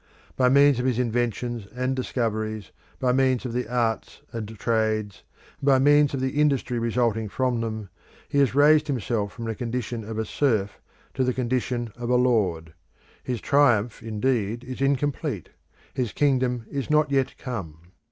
By means of his inventions and discoveries, by means of the arts and trades, and by means of the industry resulting from them, he has raised himself from the condition of a serf to the condition of a lord. His triumph, indeed, is incomplete; his kingdom is not yet come.